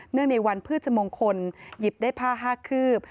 เนื่องในวันพืชมงคลหยิบได้ผ้าห้าคืบ